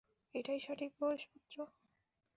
এটাই সঠিক বয়স, পুত্র।